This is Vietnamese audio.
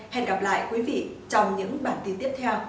hẹn gặp lại quý vị trong những bản tin tiếp theo